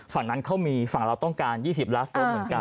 ฝั่งนั้นเขามีฝั่งเราต้องการ๒๐ล้านโดสเหมือนกัน